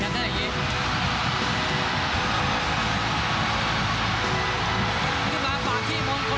ขึ้นมาฝากที่มองคลสกายมองคลทิ้งบอลก่อน